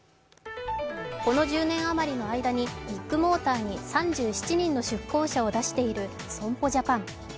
この１０年余りの間にビッグモーターに３７人の出向者を出している損保ジャパン。